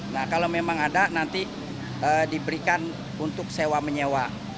nah kalau memang ada nanti diberikan untuk sewa menyewa